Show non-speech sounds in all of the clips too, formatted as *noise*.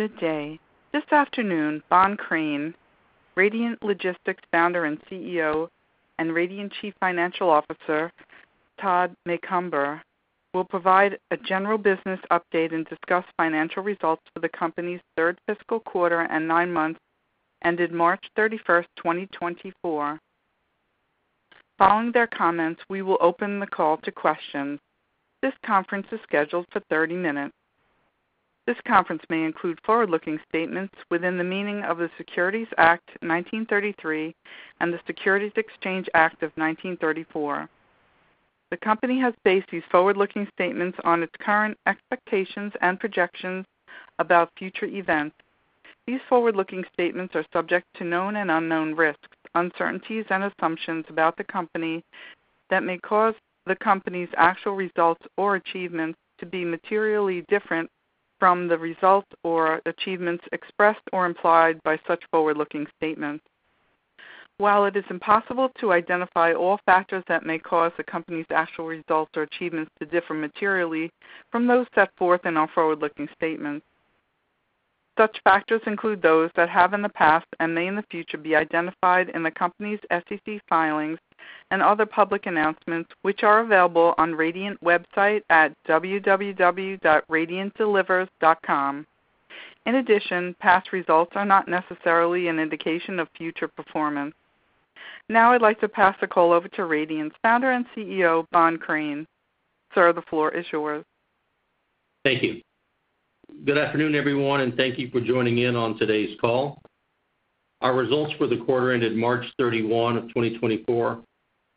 Good day. This afternoon, Bohn Crain, Radiant Logistics founder and CEO, and Radiant Chief Financial Officer, Todd Macomber, will provide a general business update and discuss financial results for the company's third fiscal quarter and nine months ended March 31st, 2024. Following their comments, we will open the call to questions. This conference is scheduled for 30 minutes. This conference may include forward-looking statements within the meaning of the Securities Act 1933 and the Securities Exchange Act of 1934. The company has based these forward-looking statements on its current expectations and projections about future events. These forward-looking statements are subject to known and unknown risks, uncertainties, and assumptions about the company that may cause the company's actual results or achievements to be materially different from the results or achievements expressed or implied by such forward-looking statements. While it is impossible to identify all factors that may cause the company's actual results or achievements to differ materially from those set forth in our forward-looking statements, such factors include those that have in the past and may in the future be identified in the company's SEC filings and other public announcements which are available on Radiant's website at www.radiantdelivers.com. In addition, past results are not necessarily an indication of future performance. Now I'd like to pass the call over to Radiant's founder and CEO, Bohn Crain. Sir, the floor is yours. Thank you. Good afternoon, everyone, and thank you for joining in on today's call. Our results for the quarter ended March 31st, 2024,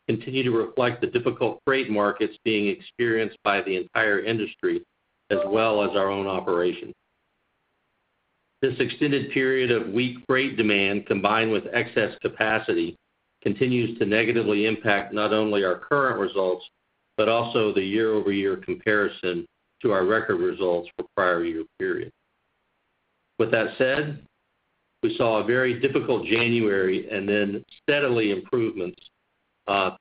continue to reflect the difficult freight markets being experienced by the entire industry as well as our own operations. This extended period of weak freight demand combined with excess capacity continues to negatively impact not only our current results but also the year-over-year comparison to our record results for prior year periods. With that said, we saw a very difficult January and then steadily improvements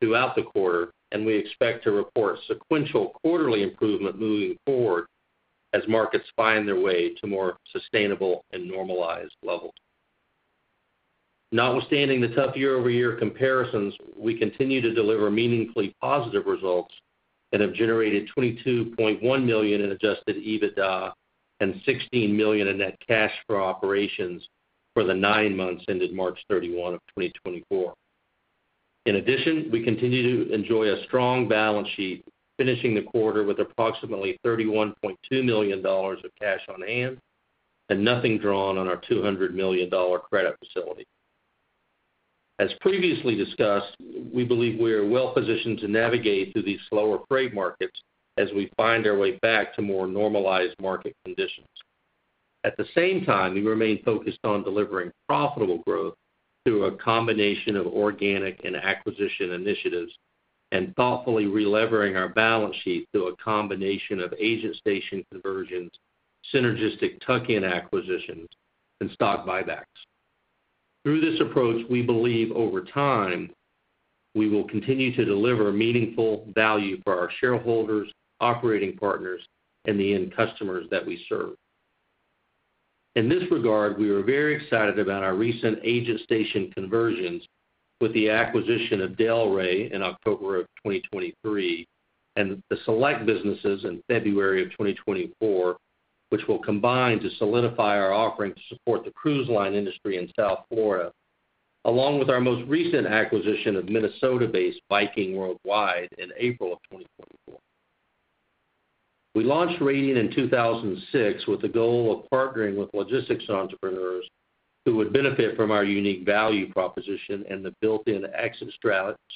throughout the quarter, and we expect to report sequential quarterly improvement moving forward as markets find their way to more sustainable and normalized levels. Notwithstanding the tough year-over-year comparisons, we continue to deliver meaningfully positive results and have generated $22.1 million in Adjusted EBITDA and $16 million in net cash for operations for the nine months ended March 31st, 2024. In addition, we continue to enjoy a strong balance sheet finishing the quarter with approximately $31.2 million of cash on hand and nothing drawn on our $200 million credit facility. As previously discussed, we believe we are well positioned to navigate through these slower freight markets as we find our way back to more normalized market conditions. At the same time, we remain focused on delivering profitable growth through a combination of organic and acquisition initiatives and thoughtfully re-levering our balance sheet through a combination of agent station conversions, synergistic tuck-in acquisitions, and stock buybacks. Through this approach, we believe over time we will continue to deliver meaningful value for our shareholders, operating partners, and the end customers that we serve. In this regard, we are very excited about our recent agent station conversions with the acquisition of Delray in October of 2023 and the Select businesses in February of 2024, which will combine to solidify our offering to support the cruise line industry in South Florida, along with our most recent acquisition of Minnesota-based Viking Worldwide in April of 2024. We launched Radiant in 2006 with the goal of partnering with logistics entrepreneurs who would benefit from our unique value proposition and the built-in exit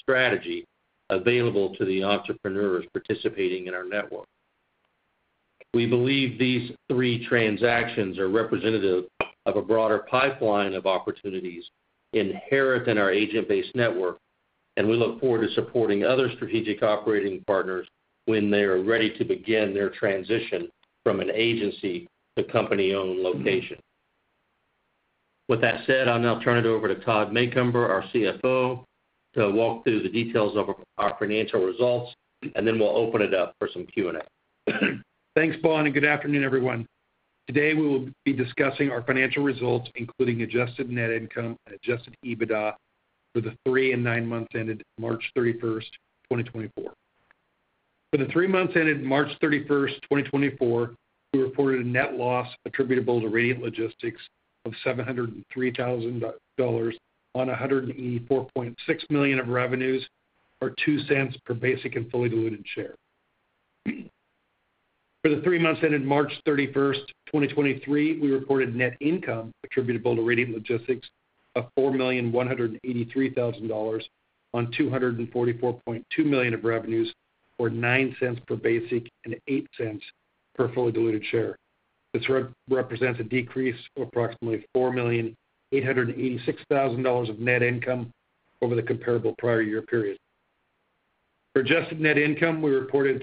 strategy available to the entrepreneurs participating in our network. We believe these three transactions are representative of a broader pipeline of opportunities inherent in our agent-based network, and we look forward to supporting other strategic operating partners when they are ready to begin their transition from an agency to company-owned location. With that said, I'll now turn it over to Todd Macomber, our CFO, to walk through the details of our financial results, and then we'll open it up for some Q&A. Thanks, Bohn and good afternoon, everyone. Today we will be discussing our financial results, including adjusted net income and Adjusted EBITDA for the three and nine months ended March 31st, 2024. For the three months ended March 31st, 2024, we reported a net loss attributable to Radiant Logistics of $703,000 on $184.6 million of revenues, or $0.02 per basic and fully diluted share. For the three months ended March 31st, 2023, we reported net income attributable to Radiant Logistics of $4,183,000 on $244.2 million of revenues, or $0.09 per basic and $0.08 per fully diluted share. This represents a decrease of approximately $4,886,000 of net income over the comparable prior year period. For adjusted net income, we reported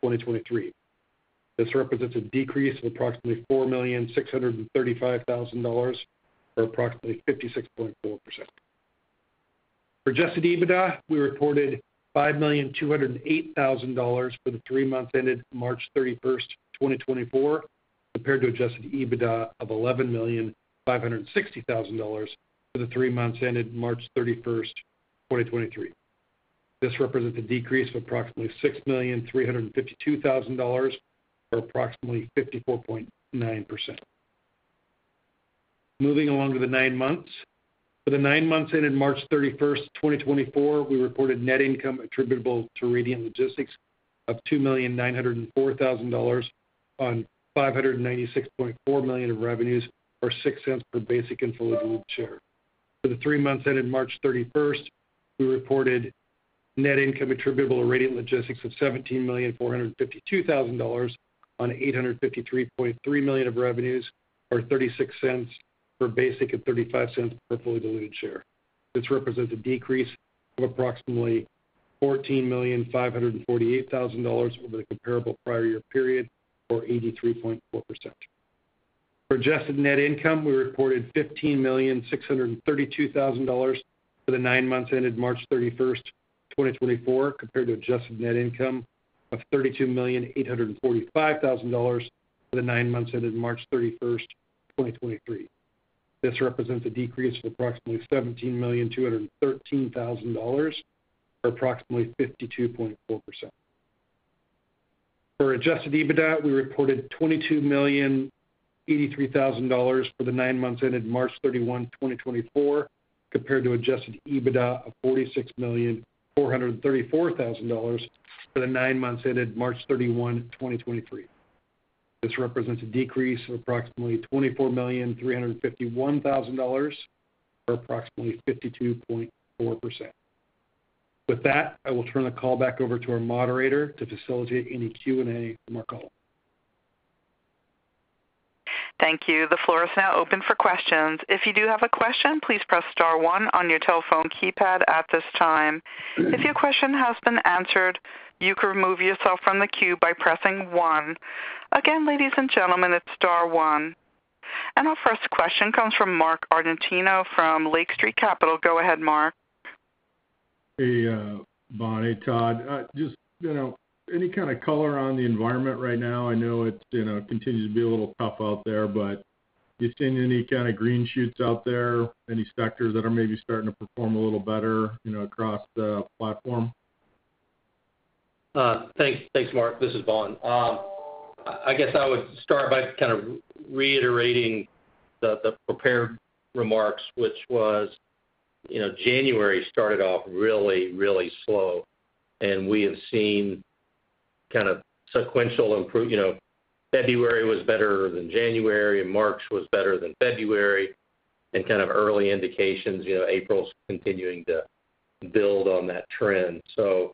$3,586,000 for the three months ended March 31st, 2024, compared to adjusted net income of $8,221,000 for the three months ended March 31st, 2023. This represents a decrease of approximately $4,635,000 or approximately 56.4%. For Adjusted EBITDA, we reported $5,208,000 for the three months ended March 31st, 2024, compared to Adjusted EBITDA of $11,560,000 for the three months ended March 31st, 2023. This represents a decrease of approximately $6,352,000 or approximately 54.9%. Moving along to the nine months. For the nine months ended March 31st, 2024, we reported net income attributable to Radiant Logistics of $2,904,000 on $596.4 million of revenues, or $0.06 per basic and fully diluted share. For the nine months ended March 31st, we reported net income attributable to Radiant Logistics of $17,452,000 on $853.3 million of revenues, or $0.36 per basic and $0.35 per fully diluted share. This represents a decrease of approximately $14,548,000 over the comparable prior year period, or 83.4%. For adjusted net income, we reported $15,632,000 for the nine months ended March 31st, 2024, compared to adjusted net income of $32,845,000 for the nine months ended March 31st, 2023. This represents a decrease of approximately $17,213,000 or approximately 52.4%. For Adjusted EBITDA, we reported $22,083,000 for the nine months ended March 31st, 2024, compared to Adjusted EBITDA of $46,434,000 for the nine months ended March 31st, 2023. This represents a decrease of approximately $24,351,000 or approximately 52.4%. With that, I will turn the call back over to our moderator to facilitate any Q&A from our call. Thank you. The floor is now open for questions. If you do have a question, please press star one on your telephone keypad at this time. If your question has been answered, you can remove yourself from the queue by pressing one. Again, ladies and gentlemen, it's star one. Our first question comes from Mark Argento from Lake Street Capital. Go ahead, Mark. Hey, Bohn, Todd. Just any kind of color on the environment right now? I know it continues to be a little tough out there, but you seeing any kind of green shoots out there, any sectors that are maybe starting to perform a little better across the platform? Thanks, Mark. This is Bohn. I guess I would start by kind of reiterating the prepared remarks, which was January started off really, really slow, and we have seen kind of sequential improvement. February was better than January, and March was better than February, and kind of early indications, April continuing to build on that trend. So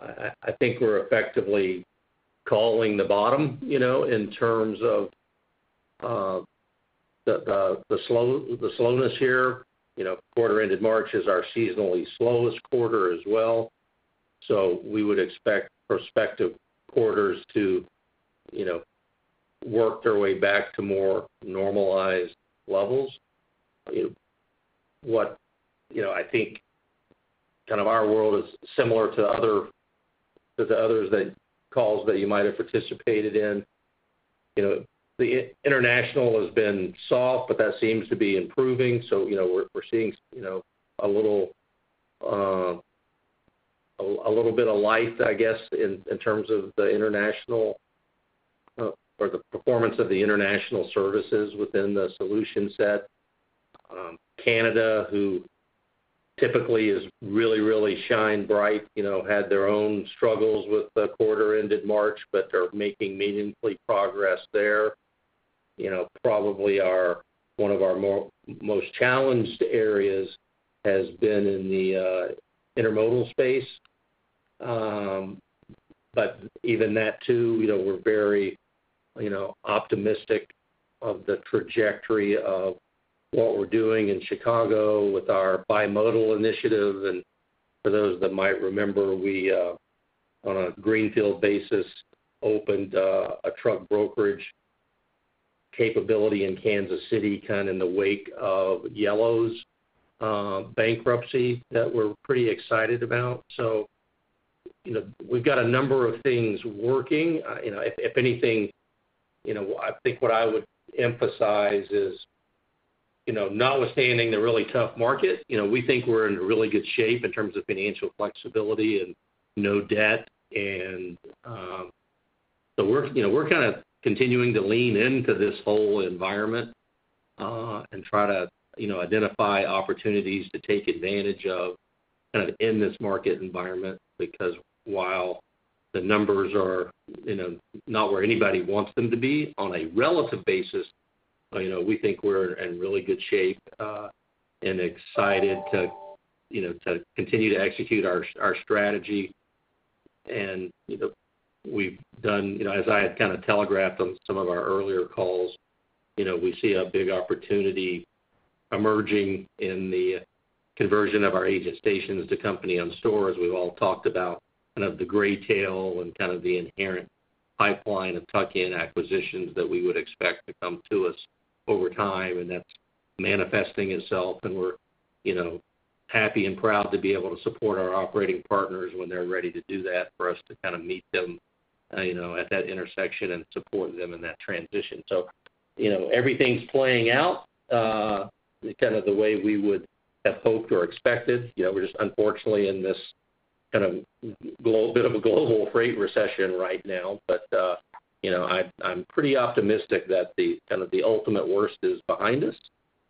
I think we're effectively calling the bottom in terms of the slowness here. Quarter ended March is our seasonally slowest quarter as well, so we would expect prospective quarters to work their way back to more normalized levels. What I think kind of our world is similar to the other calls that you might have participated in. The international has been soft, but that seems to be improving. So we're seeing a little bit of life, I guess, in terms of the international or the performance of the international services within the solution set. Canada, who typically is really, really shine bright, had their own struggles with the quarter ended March, but they're making meaningful progress there. Probably one of our most challenged areas has been in the intermodal space. But even that too, we're very optimistic of the trajectory of what we're doing in Chicago with our bimodal initiative. And for those that might remember, we on a greenfield basis opened a truck brokerage capability in Kansas City kind of in the wake of Yellow's bankruptcy that we're pretty excited about. So we've got a number of things working. If anything, I think what I would emphasize is notwithstanding the really tough market, we think we're in really good shape in terms of financial flexibility and no debt. And so we're kind of continuing to lean into this whole environment and try to identify opportunities to take advantage of kind of in this market environment because while the numbers are not where anybody wants them to be on a relative basis, we think we're in really good shape and excited to continue to execute our strategy. And we've done as I had kind of telegraphed on some of our earlier calls, we see a big opportunity emerging in the conversion of our agent stations to company-owned stores, we've all talked about kind of the gray tail and kind of the inherent pipeline of tuck-in acquisitions that we would expect to come to us over time, and that's manifesting itself. And we're happy and proud to be able to support our operating partners when they're ready to do that, for us to kind of meet them at that intersection and support them in that transition. So everything's playing out kind of the way we would have hoped or expected. We're just unfortunately in this kind of bit of a global freight recession right now, but I'm pretty optimistic that kind of the ultimate worst is behind us,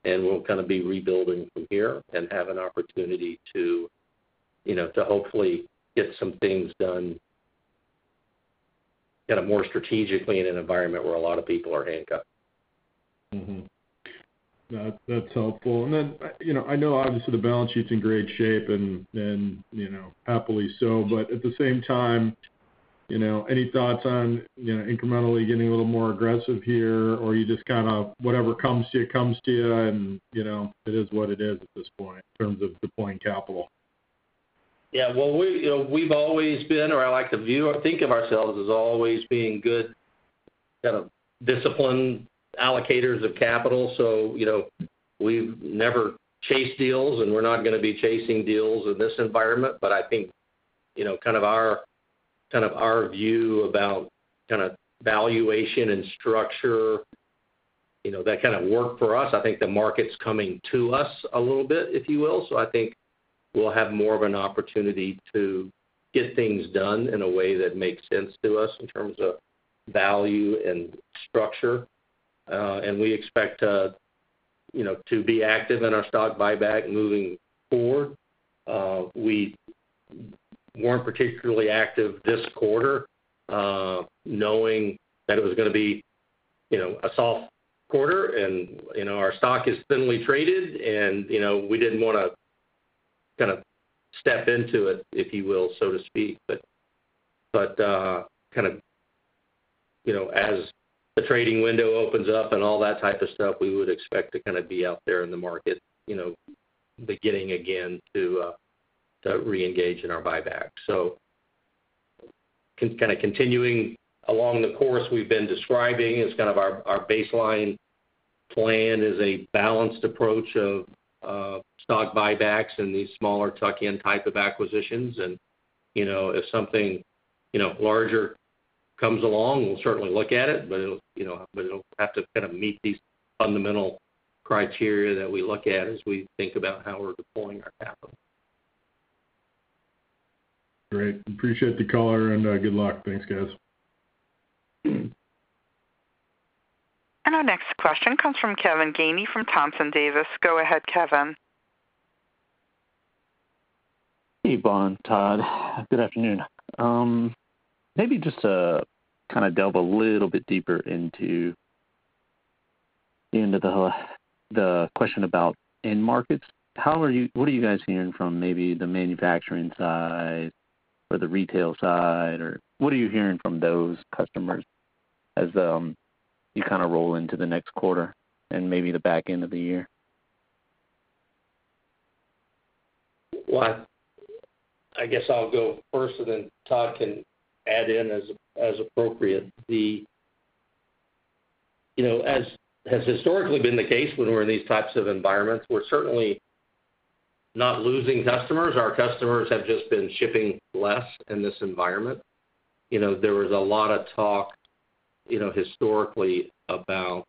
and we'll kind of be rebuilding from here and have an opportunity to hopefully get some things done kind of more strategically in an environment where a lot of people are handcuffed. That's helpful. Then I know obviously the balance sheet's in great shape and happily so, but at the same time, any thoughts on incrementally getting a little more aggressive here, or you just kind of whatever comes to you, comes to you, and it is what it is at this point in terms of deploying capital? Yeah. Well, we've always been or I like to think of ourselves as always being good kind of disciplined allocators of capital. So we've never chased deals, and we're not going to be chasing deals in this environment. But I think kind of our kind of our view about kind of valuation and structure, that kind of worked for us. I think the market's coming to us a little bit, if you will. So I think we'll have more of an opportunity to get things done in a way that makes sense to us in terms of value and structure. And we expect to be active in our stock buyback moving forward. We weren't particularly active this quarter knowing that it was going to be a soft quarter, and our stock is thinly traded, and we didn't want to kind of step into it, if you will, so to speak. But kind of as the trading window opens up and all that type of stuff, we would expect to kind of be out there in the market beginning again to reengage in our buyback. So kind of continuing along the course we've been describing, it's kind of our baseline plan is a balanced approach of stock buybacks and these smaller tuck-in type of acquisitions. And if something larger comes along, we'll certainly look at it, but it'll have to kind of meet these fundamental criteria that we look at as we think about how we're deploying our capital. Great. Appreciate the caller, and good luck. Thanks, guys. Our next question comes from Kevin Gainey from Thompson Davis. Go ahead, Kevin. Hey, Bohn and Todd. Good afternoon. Maybe just to kind of delve a little bit deeper into the question about end markets, what are you guys hearing from maybe the manufacturing side or the retail side, or what are you hearing from those customers as you kind of roll into the next quarter and maybe the back end of the year? Well, I guess I'll go first, and then Todd can add in as appropriate. As has historically been the case when we're in these types of environments, we're certainly not losing customers. Our customers have just been shipping less in this environment. There was a lot of talk historically about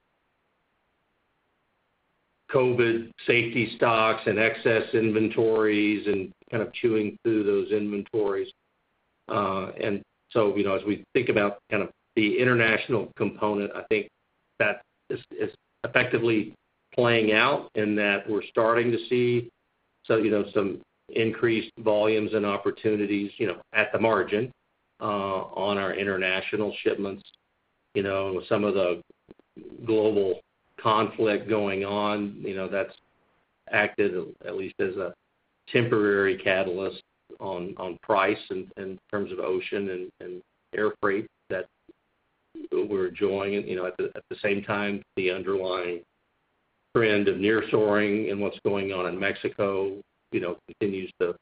COVID safety stocks and excess inventories and kind of chewing through those inventories. And so as we think about kind of the international component, I think that is effectively playing out in that we're starting to see some increased volumes and opportunities at the margin on our international shipments. Some of the global conflict going on, that's acted at least as a temporary catalyst on price in terms of ocean and air freight that we're enjoying. At the same time, the underlying trend of near-shoring and what's going on in Mexico continues to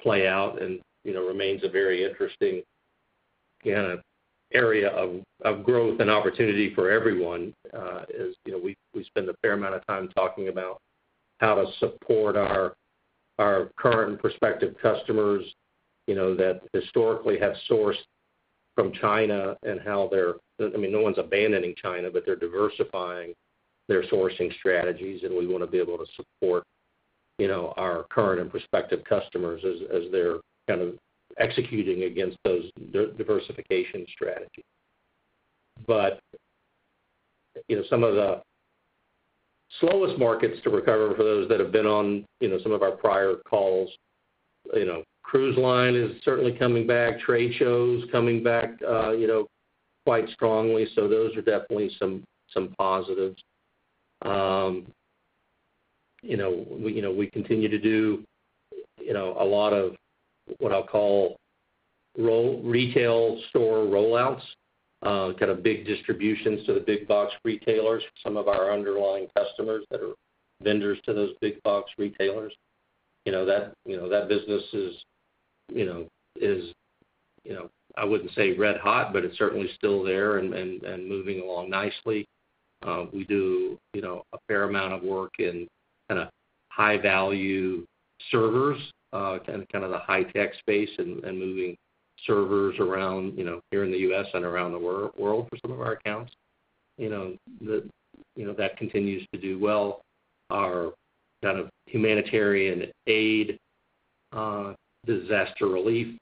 play out and remains a very interesting kind of area of growth and opportunity for everyone. We spend a fair amount of time talking about how to support our current and prospective customers that historically have sourced from China and how they're, I mean, no one's abandoning China, but they're diversifying their sourcing strategies, and we want to be able to support our current and prospective customers as they're kind of executing against those diversification strategies. But some of the slowest markets to recover, for those that have been on some of our prior calls, cruise line is certainly coming back, trade shows coming back quite strongly. So those are definitely some positives. We continue to do a lot of what I'll call retail store rollouts, kind of big distributions to the big box retailers, some of our underlying customers that are vendors to those big box retailers. That business is, I wouldn't say red-hot, but it's certainly still there and moving along nicely. We do a fair amount of work in kind of high-value servers, kind of the high-tech space, and moving servers around here in the U.S. and around the world for some of our accounts. That continues to do well. Our kind of humanitarian aid disaster relief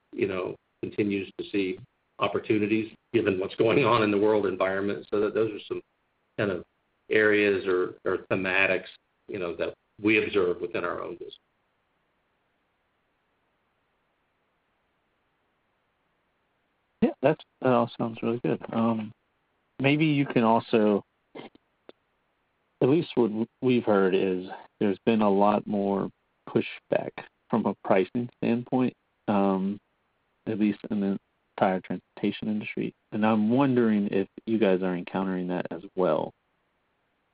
continues to see opportunities given what's going on in the world environment. So those are some kind of areas or thematics that we observe within our own business. Yeah. That all sounds really good. Maybe you can also at least what we've heard is there's been a lot more pushback from a pricing standpoint, at least in the entire transportation industry. And I'm wondering if you guys are encountering that as well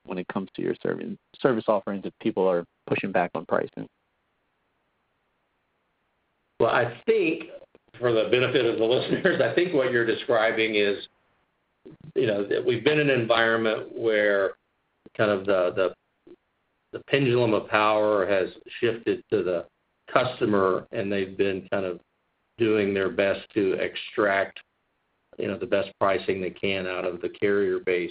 when it comes to your service offerings, if people are pushing back on pricing? Well, I think for the benefit of the listeners, I think what you're describing is that we've been in an environment where kind of the pendulum of power has shifted to the customer, and they've been kind of doing their best to extract the best pricing they can out of the carrier base.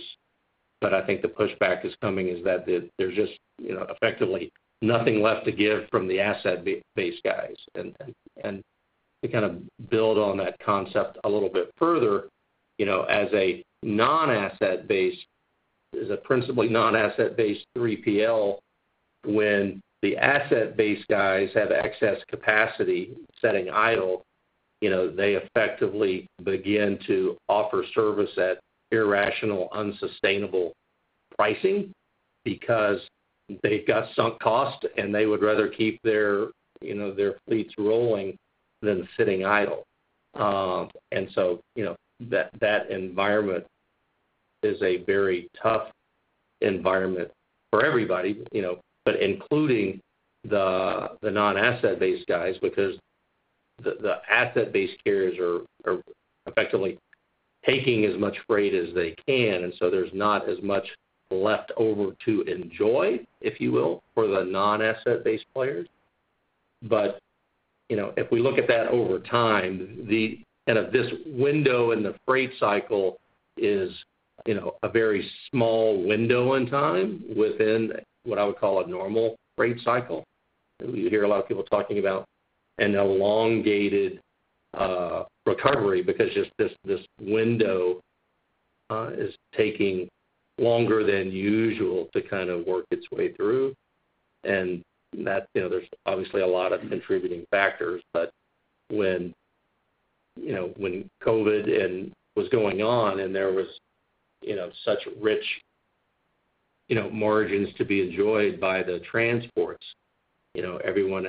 I think the pushback is coming is that there's just effectively nothing left to give from the asset-based guys. To kind of build on that concept a little bit further, as a non-asset-based as a principally non-asset-based 3PL, when the asset-based guys have excess capacity setting idle, they effectively begin to offer service at irrational, unsustainable pricing because they've got sunk cost, and they would rather keep their fleets rolling than sitting idle. And so that environment is a very tough environment for everybody, but including the non-asset-based guys because the asset-based carriers are effectively taking as much freight as they can. And so there's not as much left over to enjoy, if you will, for the non-asset-based players. But if we look at that over time, kind of this window in the freight cycle is a very small window in time within what I would call a normal freight cycle. You hear a lot of people talking about an elongated recovery because just this window is taking longer than usual to kind of work its way through. And there's obviously a lot of contributing factors. But when COVID was going on and there was such rich margins to be enjoyed by the transports, everyone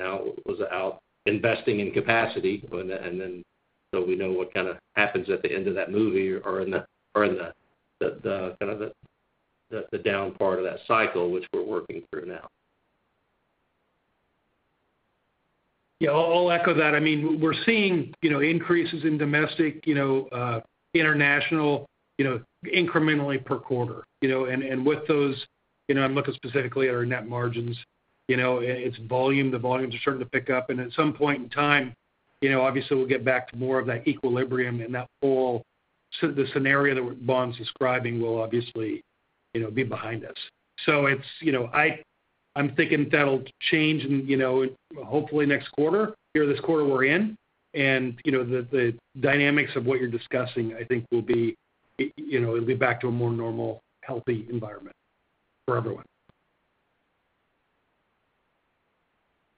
was out investing in capacity. Then so we know what kind of happens at the end of that movie or in the kind of the down part of that cycle, which we're working through now. Yeah. I'll echo that. I mean, we're seeing increases in domestic, international incrementally per quarter. And with those, I'm looking specifically at our net margins. It's volume. The volumes are starting to pick up. And at some point in time, obviously, we'll get back to more of that equilibrium, and the scenario that Bohn's describing will obviously be behind us. So I'm thinking that'll change hopefully next quarter or this quarter we're in. And the dynamics of what you're discussing, I think, will be it'll be back to a more normal, healthy environment for everyone.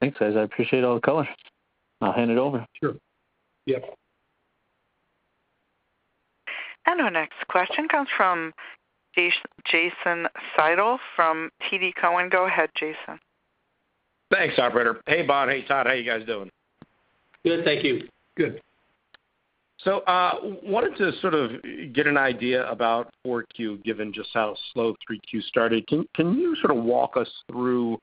Thanks, guys. I appreciate all the callers. I'll hand it over. Sure. Yep. Our next question comes from Jason Seidl from TD Cowen. Go ahead, Jason. Thanks, operator. Hey, Bohn and hey, Todd. How are you guys doing? Good. Thank you. Good. So I wanted to sort of get an idea about 4Q given just how slow 3Q started. Can you sort of walk us through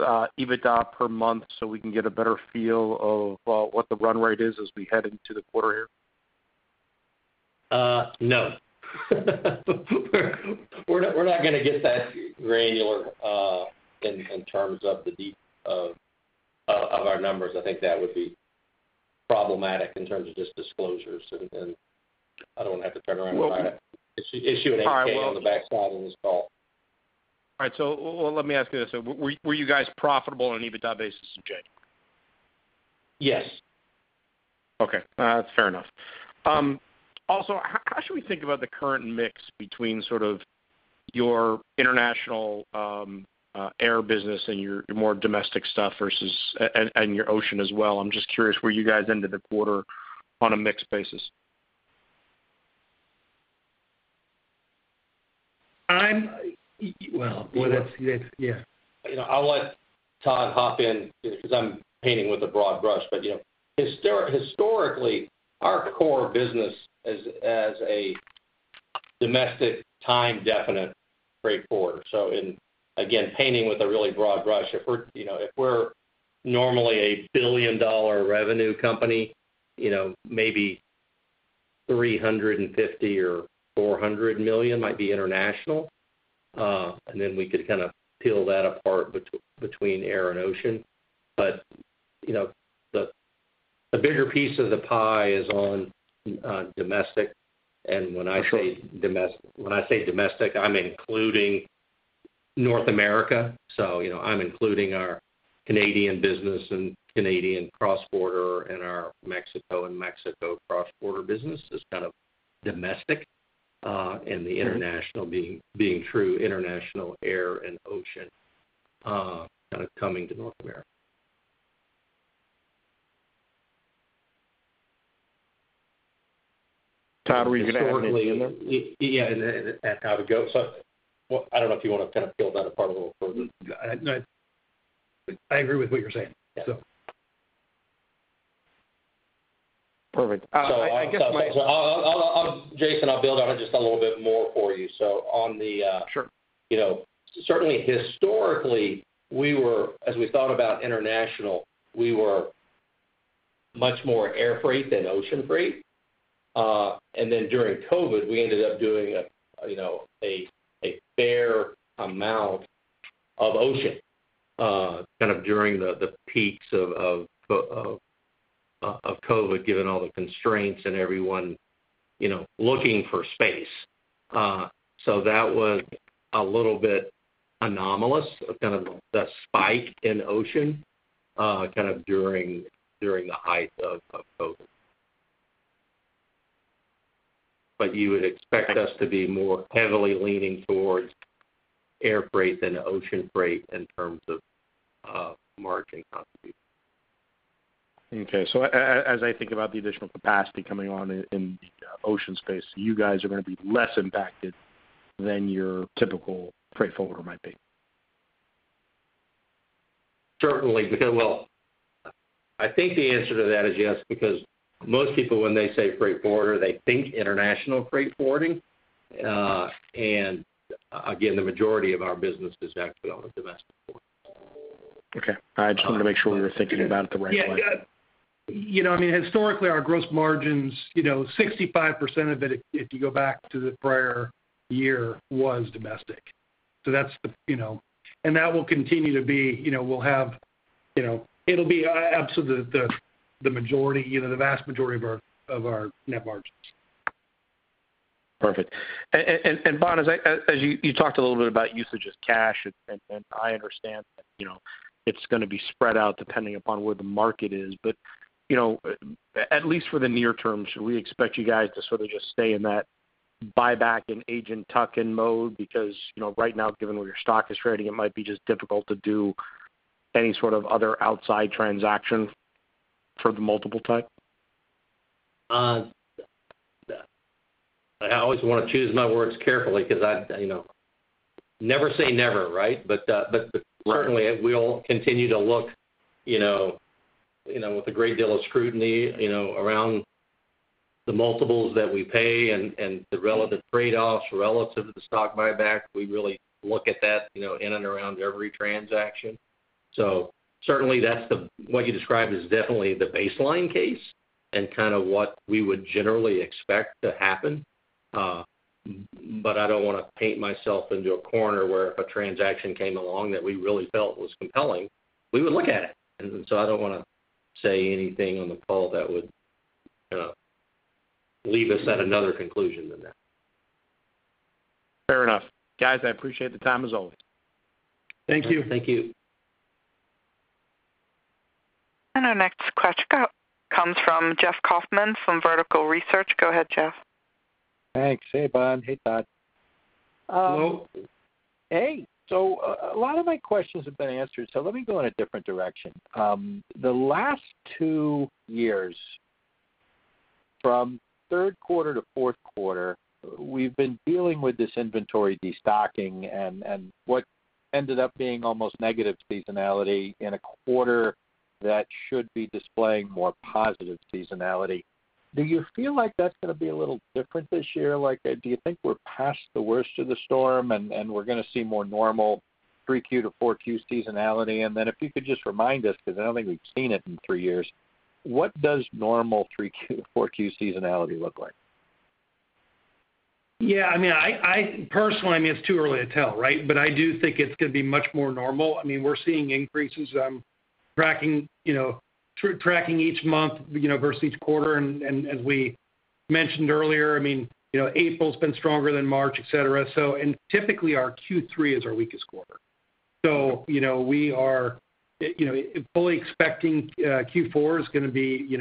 EBITDA per month so we can get a better feel of what the run rate is as we head into the quarter here? No. We're not going to get that granular in terms of the depth of our numbers. I think that would be problematic in terms of just disclosures, and I don't want to have to turn around and issue an 8-K on the backside of this call. All right. Well, let me ask you this. Were you guys profitable on an EBITDA basis in January? Yes. Okay. That's fair enough. Also, how should we think about the current mix between sort of your international air business and your more domestic stuff versus and your ocean as well? I'm just curious where you guys ended the quarter on a mixed basis? *crosstalk* I'll let Todd hop in because I'm painting with a broad brush. But historically, our core business as a domestic time-definite. Straightforward. So again, painting with a really broad brush. If we're normally a billion-dollar revenue company, maybe $350 million or $400 million might be international. And then we could kind of peel that apart between air and ocean. But the bigger piece of the pie is on domestic. And when I say domestic, when I say domestic, I'm including North America. So I'm including our Canadian business and Canadian cross-border and our Mexico and Mexico cross-border business as kind of domestic and the international being true, international air and ocean kind of coming to North America. Todd, were you going to add anything in there? Yeah. And how to go so I don't know if you want to kind of peel that apart a little further. I agree with what you're saying, so. Perfect. So I guess my. So Jason, I'll build on it just a little bit more for you. So, certainly, historically, as we thought about international, we were much more air freight than ocean freight. And then during COVID, we ended up doing a fair amount of ocean kind of during the peaks of COVID given all the constraints and everyone looking for space. So that was a little bit anomalous, kind of the spike in ocean kind of during the height of COVID. But you would expect us to be more heavily leaning towards air freight than ocean freight in terms of margin contribution. Okay. So as I think about the additional capacity coming on in the ocean space, you guys are going to be less impacted than your typical freight forwarder might be? Certainly. Well, I think the answer to that is yes because most people, when they say freight forwarder, they think international freight forwarding. And again, the majority of our business is actually on the domestic forwarder. Okay. I just wanted to make sure we were thinking about it the right way. Yeah. I mean, historically, our gross margins, 65% of it, if you go back to the prior year, was domestic. So that's the, and that will continue to be. We'll have, it'll be absolutely the majority, the vast majority of our net margins. Perfect. Bohn, as you talked a little bit about usage of cash, and I understand that it's going to be spread out depending upon where the market is. But at least for the near term, should we expect you guys to sort of just stay in that buyback and agent tuck-in mode? Because right now, given where your stock is trading, it might be just difficult to do any sort of other outside transaction for the multiple type? I always want to choose my words carefully because never say never, right? But certainly, we'll continue to look with a great deal of scrutiny around the multiples that we pay and the relative trade-offs relative to the stock buyback. We really look at that in and around every transaction. So certainly, what you described is definitely the baseline case and kind of what we would generally expect to happen. But I don't want to paint myself into a corner where if a transaction came along that we really felt was compelling, we would look at it. And so I don't want to say anything on the call that would kind of leave us at another conclusion than that. Fair enough. Guys, I appreciate the time as always. Thank you. Thank you. And our next question comes from Jeff Kauffman from Vertical Research Partners. Go ahead, Jeff. Thanks. Hey, Bohn and hey, Todd. Hello. Hey. So a lot of my questions have been answered. So let me go in a different direction. The last two years, from third quarter to fourth quarter, we've been dealing with this inventory destocking and what ended up being almost negative seasonality in a quarter that should be displaying more positive seasonality. Do you feel like that's going to be a little different this year? Do you think we're past the worst of the storm and we're going to see more normal 3Q to 4Q seasonality? And then if you could just remind us because I don't think we've seen it in three years, what does normal 3Q to 4Q seasonality look like? Yeah. I mean, personally, I mean, it's too early to tell, right? But I do think it's going to be much more normal. I mean, we're seeing increases. I'm tracking each month versus each quarter. And as we mentioned earlier, I mean, April's been stronger than March, etc. And typically, our Q3 is our weakest quarter. So we are fully expecting Q4 is going to be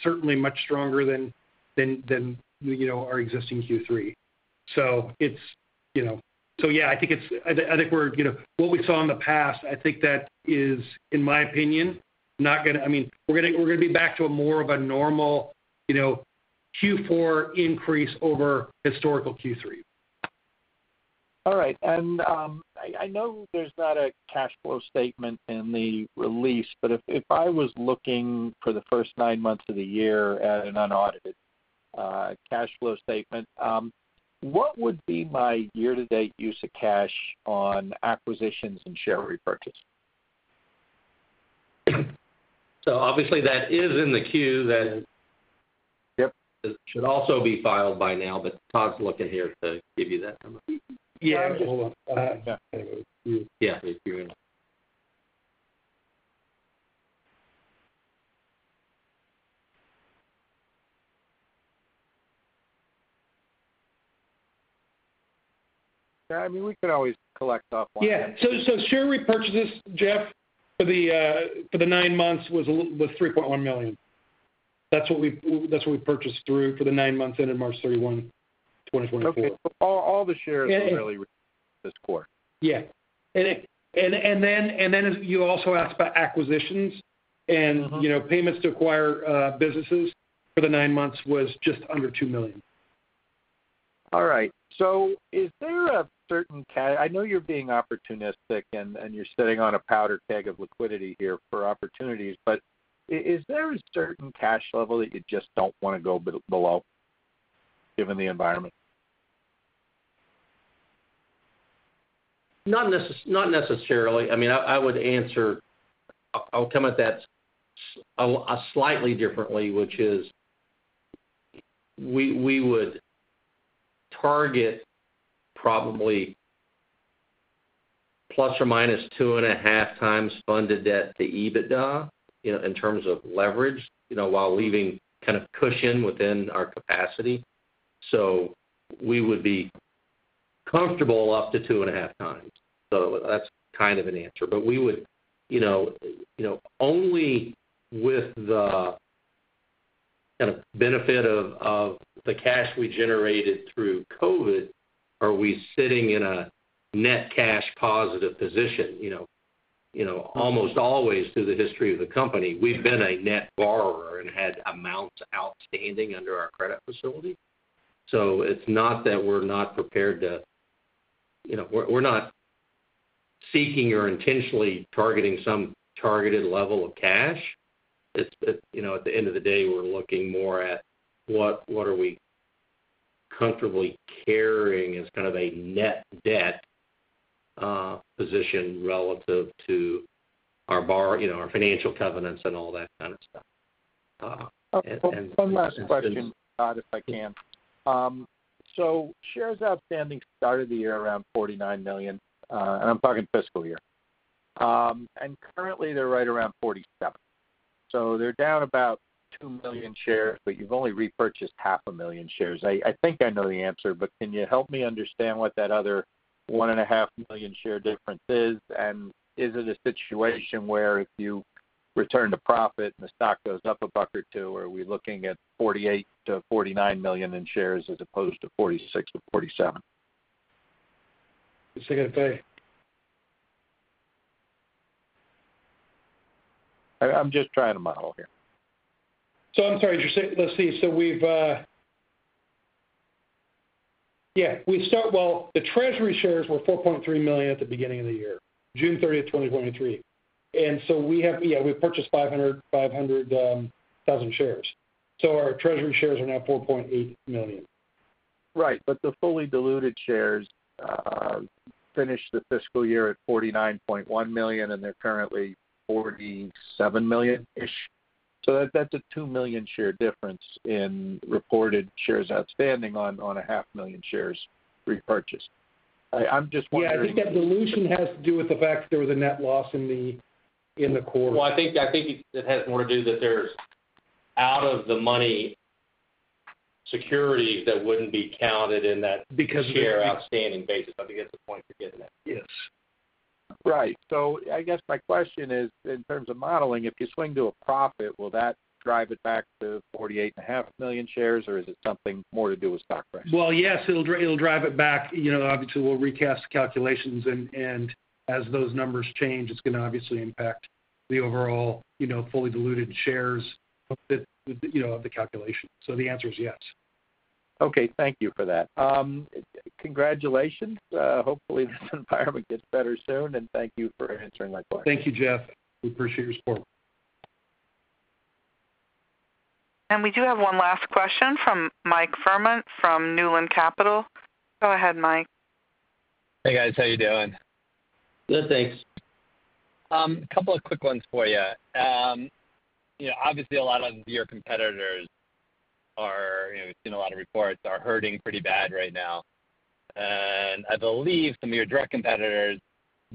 certainly much stronger than our existing Q3. So yeah, I think it's I think we're what we saw in the past, I think that is, in my opinion, not going to I mean, we're going to be back to more of a normal Q4 increase over historical Q3. All right. I know there's not a cash flow statement in the release, but if I was looking for the first nine months of the year at an unaudited cash flow statement, what would be my year-to-date use of cash on acquisitions and share repurchase? Obviously, that is in the queue that should also be filed by now. But Todd's looking here to give you that number. Yeah. Hold on. Anyway, it's you. Yeah. It's you and me. Yeah. I mean, we could always collect off one. Yeah. So share repurchases, Jeff, for the nine months was $3.1 million. That's what we purchased through for the nine months ended March 31st, 2024. Okay. So all the shares were really this quarter? Yeah. And then you also asked about acquisitions. Payments to acquire businesses for the nine months was just under $2 million. All right. So, is there a certain, I know you're being opportunistic and you're sitting on a powder keg of liquidity here for opportunities, but is there a certain cash level that you just don't want to go below given the environment? Not necessarily. I mean, I would answer I'll come at that slightly differently, which is we would target probably ±2.5x funded debt to EBITDA in terms of leverage while leaving kind of cushion within our capacity. So we would be comfortable up to 2.5x. So that's kind of an answer. But we would only with the kind of benefit of the cash we generated through COVID, are we sitting in a net cash positive position? Almost always through the history of the company, we've been a net borrower and had amounts outstanding under our credit facility. So it's not that we're not prepared to we're not seeking or intentionally targeting some targeted level of cash. At the end of the day, we're looking more at what are we comfortably carrying as kind of a net debt position relative to our financial covenants and all that kind of stuff. Okay. One last question, Todd, if I can. So shares outstanding started the year around 49 million. And I'm talking fiscal year. And currently, they're right around 47 million. So they're down about 2 million shares, but you've only repurchased 0.5 million shares. I think I know the answer, but can you help me understand what that other 1.5 million share difference is? And is it a situation where if you return to profit and the stock goes up $1 or $2, are we looking at 48 million-49 million in shares as opposed to 46 million-47 million? It's a good pay. I'm just trying to model here. I'm sorry. Let's see. Yeah, we start well, the treasury shares were 4.3 million at the beginning of the year, June 30th, 2023. And so, yeah, we purchased 500,000 shares. Our treasury shares are now 4.8 million. Right. But the fully diluted shares finished the fiscal year at 49.1 million, and they're currently 47 million-ish. So that's a 2 million share difference in reported shares outstanding on a 500,000 shares repurchased. I'm just wondering. Yeah. I think that dilution has to do with the fact that there was a net loss in the quarter. Well, I think it has more to do that there's out-of-the-money securities that wouldn't be counted in that shares outstanding basis. I think that's the point you're getting at. Yes. Right. So I guess my question is, in terms of modeling, if you swing to a profit, will that drive it back to 48.5 million shares, or is it something more to do with stock price? Well, yes. It'll drive it back. Obviously, we'll recast the calculations. As those numbers change, it's going to obviously impact the overall fully diluted shares of the calculation. So the answer is yes. Okay. Thank you for that. Congratulations. Hopefully, this environment gets better soon. Thank you for answering my question. Thank you, Jeff. We appreciate your support. We do have one last question from Mike Vermut from Newland Capital. Go ahead, Mike. Hey, guys. How are you doing? Good. Thanks. A couple of quick ones for you. Obviously, a lot of your competitors, as we've seen, a lot of reports are hurting pretty bad right now. And I believe some of your direct competitors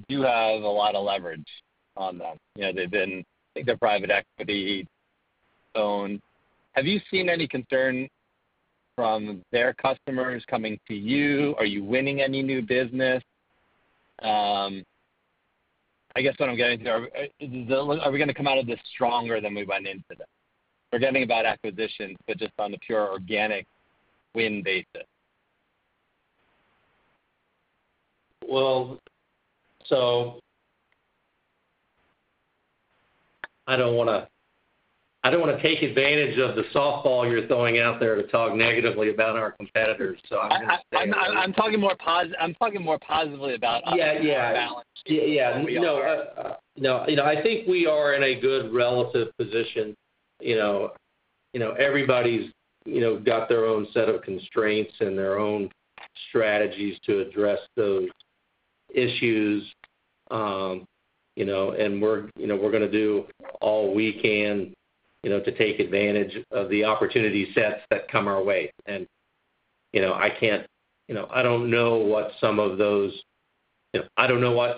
do have a lot of leverage on them. I think they're private equity-owned. Have you seen any concern from their customers coming to you? Are you winning any new business? I guess what I'm getting to, are we going to come out of this stronger than we went into this? We're forgetting about acquisitions, but just on the pure organic win basis. Well, so I don't want to take advantage of the softball you're throwing out there to talk negatively about our competitors. So I'm going to stay on. I'm talking more positively about our balance. Yeah. Yeah. No. No. I think we are in a good relative position. Everybody's got their own set of constraints and their own strategies to address those issues. And we're going to do all we can to take advantage of the opportunity sets that come our way. And I don't know what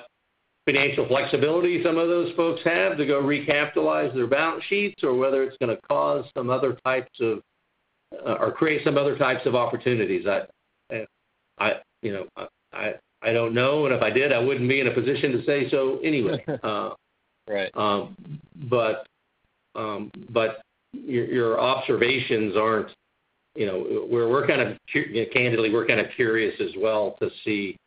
financial flexibility some of those folks have to go recapitalize their balance sheets or whether it's going to cause some other types of opportunities. I don't know. And if I did, I wouldn't be in a position to say so anyway. But your observations are. We're kind of candidly, we're kind of curious as well to see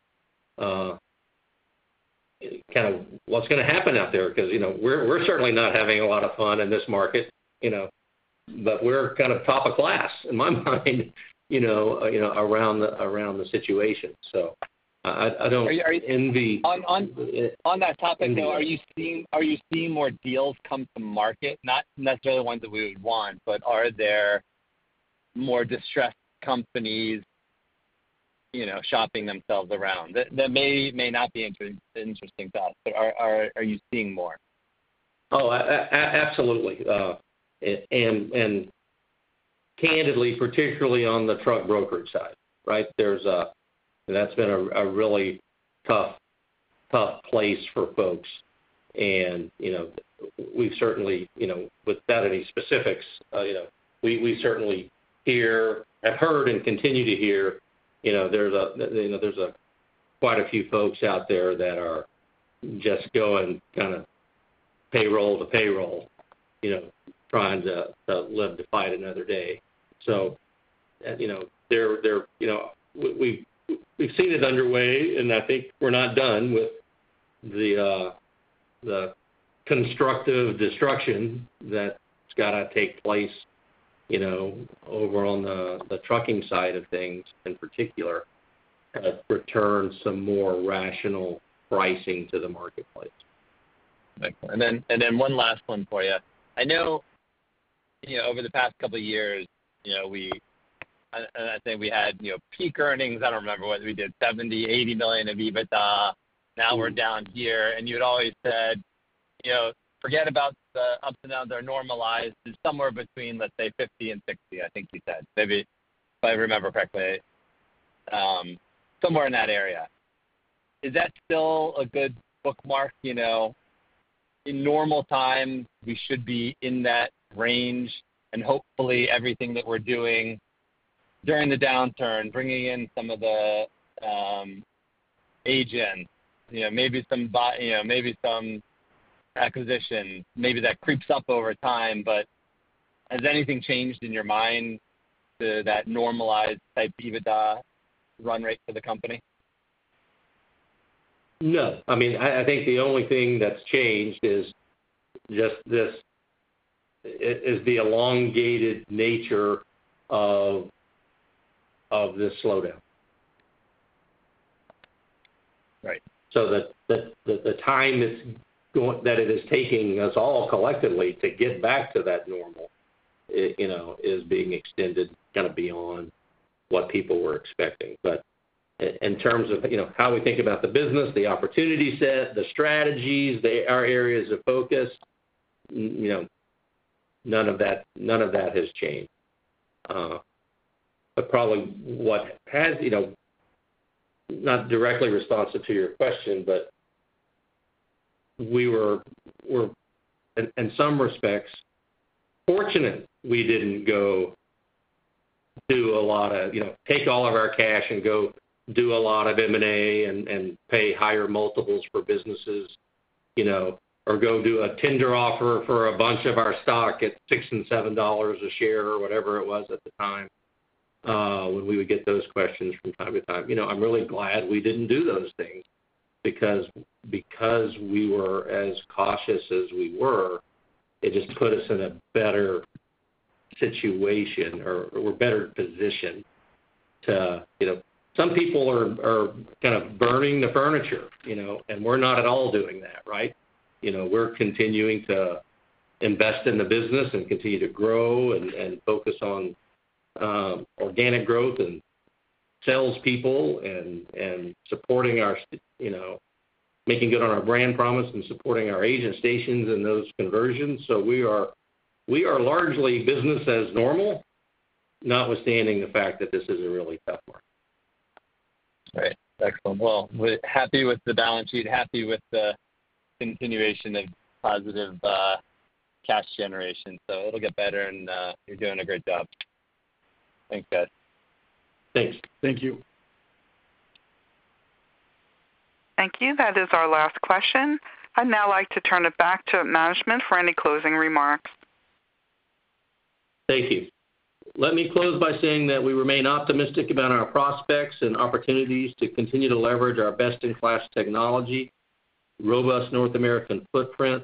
kind of what's going to happen out there because we're certainly not having a lot of fun in this market. We're kind of top of class, in my mind, around the situation. I don't envy. On that topic, though, are you seeing more deals come to market? Not necessarily the ones that we would want, but are there more distressed companies shopping themselves around? That may not be interesting to us, but are you seeing more? Oh, absolutely. And candidly, particularly on the truck brokerage side, right? That's been a really tough place for folks. And we've certainly without any specifics, we certainly hear, have heard, and continue to hear there's quite a few folks out there that are just going kind of payroll to payroll trying to live to fight another day. So we've seen it underway. And I think we're not done with the constructive destruction that's got to take place over on the trucking side of things in particular to return some more rational pricing to the marketplace. And then one last one for you. I know over the past couple of years, we and I think we had peak earnings. I don't remember what we did, $70 million-$80 million of EBITDA. Now we're down here. And you had always said, "Forget about the ups and downs. They're normalized." It's somewhere between, let's say, $50 million and $60 million, I think you said, if I remember correctly, somewhere in that area. Is that still a good bookmark? In normal times, we should be in that range. And hopefully, everything that we're doing during the downturn, bringing in some of the agents, maybe some acquisitions, maybe that creeps up over time. But has anything changed in your mind to that normalized type EBITDA run rate for the company? No. I mean, I think the only thing that's changed is just this is the elongated nature of this slowdown. So the time that it is taking us all collectively to get back to that normal is being extended kind of beyond what people were expecting. But in terms of how we think about the business, the opportunity set, the strategies, our areas of focus, none of that has changed. But probably what's not directly responsive to your question, but we were, in some respects, fortunate we didn't go do a lot of take all of our cash and go do a lot of M&A and pay higher multiples for businesses or go do a tender offer for a bunch of our stock at $6 and $7 a share or whatever it was at the time when we would get those questions from time to time. I'm really glad we didn't do those things because we were as cautious as we were. It just put us in a better situation, or we're better positioned. Some people are kind of burning the furniture. And we're not at all doing that, right? We're continuing to invest in the business and continue to grow and focus on organic growth and salespeople and supporting our making good on our brand promise and supporting our agent stations and those conversions. So we are largely business as normal, notwithstanding the fact that this is a really tough market. Right. Excellent. Well, happy with the balance sheet. Happy with the continuation of positive cash generation. So it'll get better. And you're doing a great job. Thanks, guys. Thanks. Thank you. Thank you. That is our last question. I'd now like to turn it back to management for any closing remarks. Thank you. Let me close by saying that we remain optimistic about our prospects and opportunities to continue to leverage our best-in-class technology, robust North American footprint,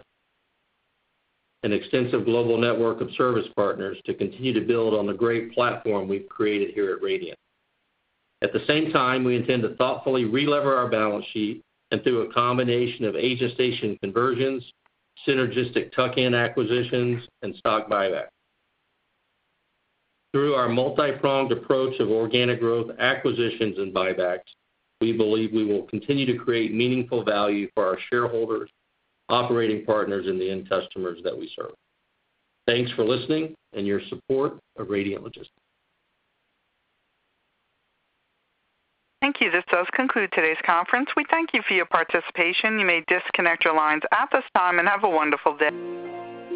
and extensive global network of service partners to continue to build on the great platform we've created here at Radiant. At the same time, we intend to thoughtfully re-lever our balance sheet, and through a combination of agent station conversions, synergistic tuck-in acquisitions, and stock buybacks. Through our multi-pronged approach of organic growth, acquisitions, and buybacks, we believe we will continue to create meaningful value for our shareholders, operating partners, and the end customers that we serve. Thanks for listening and your support of Radiant Logistics. Thank you. This does conclude today's conference. We thank you for your participation. You may disconnect your lines at this time and have a wonderful day.